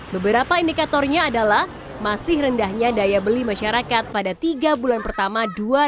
beberapa indikatornya adalah masih rendahnya daya beli masyarakat pada tiga bulan pertama dua ribu dua puluh